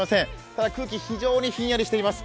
ただ空気、非常にひんやりしています。